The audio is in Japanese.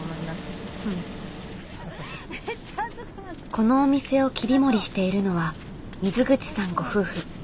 このお店を切り盛りしているのは水口さんご夫婦。